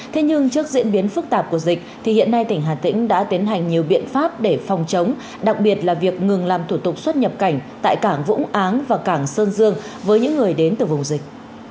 thế nhưng trước diễn biến phức tạp của dịch thì hiện nay tỉnh hà tĩnh đã tiến hành nhiều biện pháp để phòng chống đặc biệt là việc ngừng làm thủ tục xuất nhập cảnh tại cảng vũng áng và cảng sơn dương với những người đến từ vùng dịch